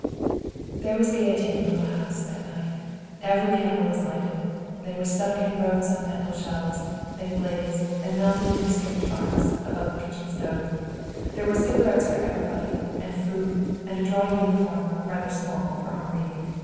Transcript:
There was gayety in the little house that night. Every candle was lighted. They were stuck in rows on mantel shelves. They blazed and melted into strange arcs above the kitchen stove. There were cigarettes for everybody, and food; and a dry uniform, rather small, for Henri.